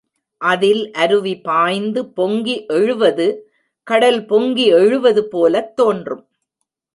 அதில் அருவி பாய்ந்து பொங்கி எழுவது, கடல் பொங்கி எழுவது போலத் தோன்றும்.